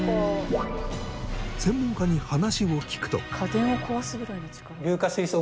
専門家に話を聞くと。